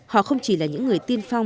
họ không chỉ là những người tiên phong